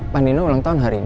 pak nino ulang tahun hari ini